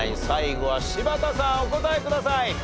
最後は柴田さんお答えください。